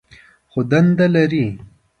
خو دنده لري.